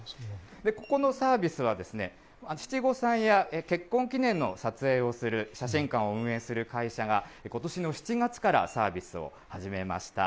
ここのサービスは、七五三や結婚記念の撮影をする写真館を運営する会社が、ことしの７月からサービスを始めました。